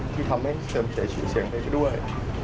ที่ทำให้เสริมเสียชีวิตเสียงไปก็ด้วย